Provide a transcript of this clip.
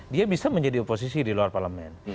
dia bisa menjadi oposisi di luar parlemen